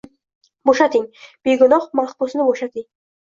Bo’shating! Begunoh mahbusni bo’shating!